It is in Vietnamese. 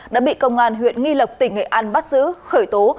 đã bị công an huyện nghi lộc tỉnh nghệ an bắt giữ khởi tố